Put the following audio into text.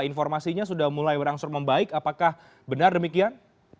informasinya sudah mulai berangsur membaik apakah benar demikian